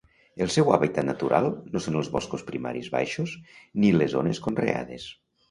El seu hàbitat natural no són els boscos primaris baixos ni les zones conreades.